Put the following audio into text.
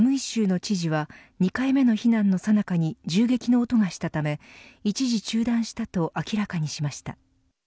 州の知事は２回目の避難のさなかに銃撃の音がしたため一時中断したと明らかにしました。